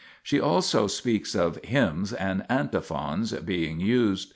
She also speaks of " hymns " and " antiphons " being used.